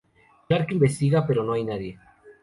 Clark investiga, pero no hay nadie.